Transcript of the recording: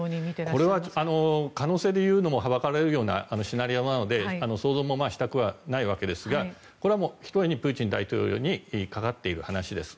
これは可能性で言うのもはばかられるようなシナリオなので想像もしたくはないわけですがこれはひとえにプーチン大統領にかかっている話です。